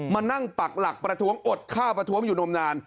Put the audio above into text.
มานั่งปักหลักประท้วงอดข้าวประท้วงอยู่นมนาน